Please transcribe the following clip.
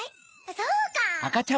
そうか！